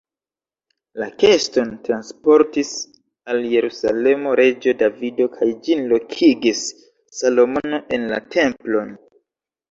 La keston transportis al Jerusalemo reĝo Davido kaj ĝin lokigis Salomono en la templon.